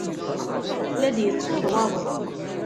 La d-yettsuḍu waḍu.